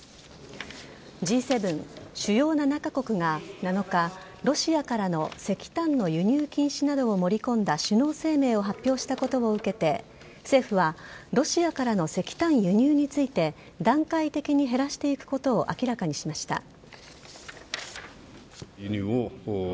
Ｇ７＝主要７カ国が７日ロシアからの石炭の輸入禁止などを盛り込んだ首脳声明を発表したことを受けて政府はロシアからの石炭輸入について段階的に減らしていくことを明らかにしました。